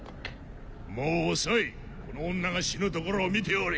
もう遅いこの女が死ぬところを見ておれ。